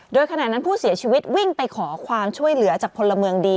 โดยขณะนั้นผู้เสียชีวิตวิ่งไปขอความช่วยเหลือจากพลเมืองดี